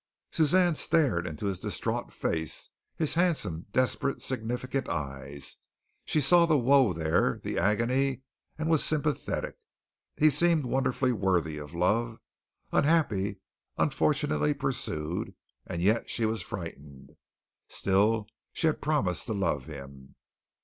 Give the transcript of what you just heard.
Suzanne stared into his distraught face, his handsome, desperate, significant eyes. She saw the woe there, the agony, and was sympathetic. He seemed wonderfully worthy of love, unhappy, unfortunately pursued; and yet she was frightened. Still she had promised to love him.